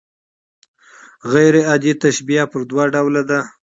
غير عادي تشبیه پر دوه ډوله ده.